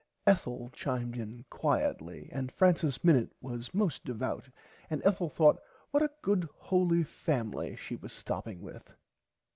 Ethel chimed in quiutly and Francis Minnit was most devout and Ethel thourght what a good holy family she was stopping with.